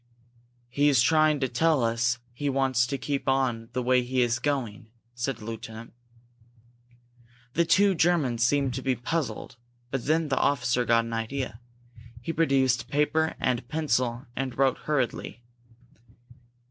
"He's trying to tell us he wants to keep on the way he was going," said the lieutenant. The two Germans seemed to be puzzled, but then the officer got an idea. He produced paper and pencil and wrote hurriedly.